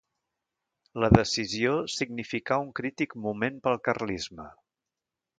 La decisió significà un crític moment pel carlisme.